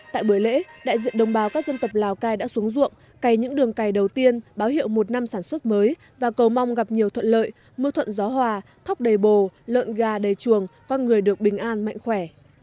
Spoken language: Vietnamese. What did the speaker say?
tại buổi lễ đại diện đồng bào các dân tộc lào cai đã xuống ruộng cày những đường cày đầu tiên báo hiệu một năm sản xuất mới và cầu mong gặp nhiều thuận lợi mưa thuận gió hòa thóc đầy bồ lợn gà đầy chuồng con người được bình an mạnh khỏe